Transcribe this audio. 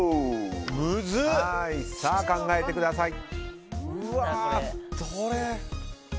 さあ、考えてください。